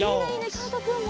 かんたくんも。